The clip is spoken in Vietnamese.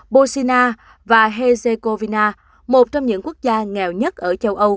bosnia và herzegovina một trong những quốc gia nghèo nhất ở châu âu